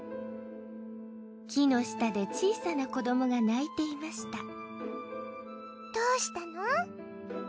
木の下で小さな子どもが泣いていましたどうしたの？